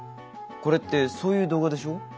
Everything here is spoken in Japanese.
これってそういう動画でしょ？